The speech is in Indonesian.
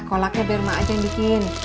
koleknya biar emak aja yang bikin